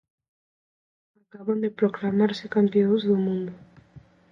Acaban de proclamarse campioas do mundo.